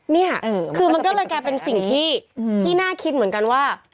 นี่คือมันก็เลยกลายเป็นสิ่งที่น่าคิดเหมือนกันว่า